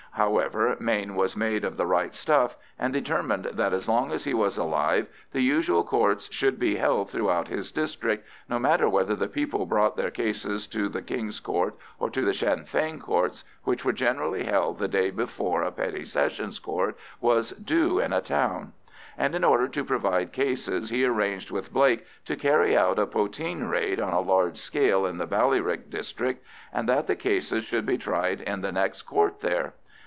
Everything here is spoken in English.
However, Mayne was made of the right stuff, and determined that as long as he was alive the usual Courts should be held throughout his district, no matter whether the people brought their cases to the King's Courts or to the Sinn Fein Courts, which were generally held the day before a Petty Sessions Court was due in a town; and in order to provide cases he arranged with Blake to carry out a poteen raid on a large scale in the Ballyrick district, and that the cases should be tried at the next Court there.